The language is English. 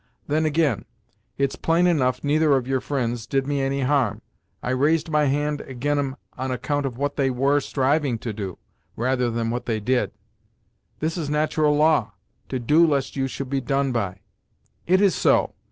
Then, agin, it's plain enough neither of your fri'nds did me any harm; I raised my hand ag'in 'em on account of what they were striving to do, rather than what they did. This is nat'ral law, 'to do lest you should be done by.'" "It is so.